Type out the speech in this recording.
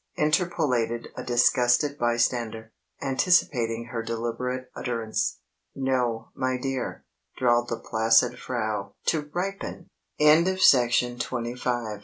interpolated a disgusted bystander, anticipating her deliberate utterance. "No, my dear," drawled the placid Frau, "to ripen." CAULIFLOWER. BOILED CAULI